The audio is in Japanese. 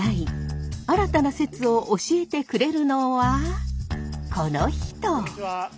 新たな説を教えてくれるのはこの人！